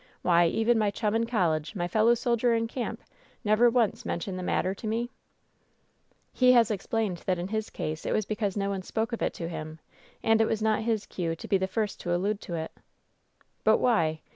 Why even my chum in college, my fellow soldier in camp, never once mentioned the matter to me ?" "He has explained that in his case it was because no one spoke of it to him, and it was not his cue to be the first to allude to it." "But why